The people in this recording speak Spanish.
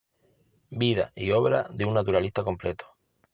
Vida y obra de un naturalista completo".